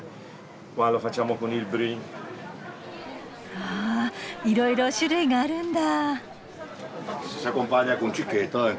わいろいろ種類があるんだ。